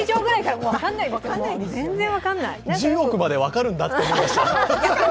１０億まで分かるんだって思いました。